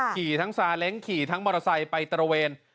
ขี่ทั้งซาเล้งขี่ทั้งมอเตอร์ไซค์ไปตระเวน